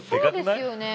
そうですよね。